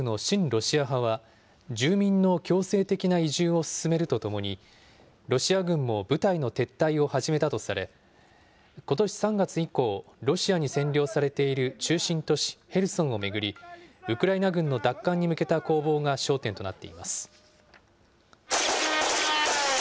ロシア派は、住民の強制的な移住を進めるとともに、ロシア軍も部隊の撤退を始めたとされ、ことし３月以降、ロシアに占領されている中心都市ヘルソンを巡り、ウクライナ軍の奪還に向けた攻防が焦点となっています。